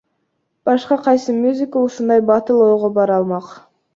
Башка кайсы мюзикл ушундай батыл ойго бара алмак?